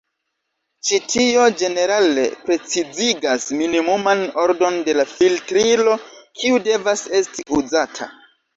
Ĉi tio ĝenerale precizigas minimuman ordon de la filtrilo kiu devas esti uzata.